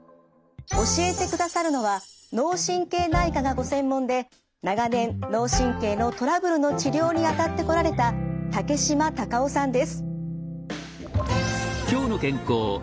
教えてくださるのは脳神経内科がご専門で長年脳神経のトラブルの治療にあたってこられた竹島多賀夫さんです。